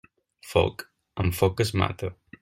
Foc, amb foc es mata.